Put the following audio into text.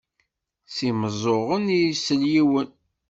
S imeẓẓuɣen i isell yiwen.